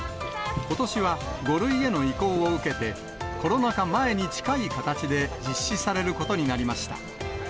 ことしは５類への移行を受けて、コロナ禍前に近い形で実施されることになりました。